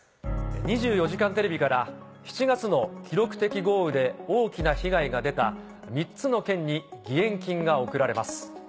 『２４時間テレビ』から７月の記録的豪雨で大きな被害が出た３つの県に義援金が送られます。